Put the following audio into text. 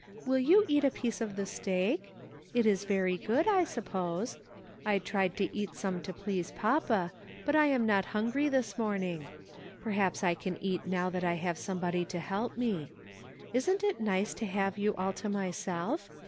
Will you eat a piece of the steak? It is very good, I suppose ; I tried to eat some to please papa, but I am not hungry this morning. Perhaps I can eat now that I have somebody to help me. Isn't it nice to have you all to my self?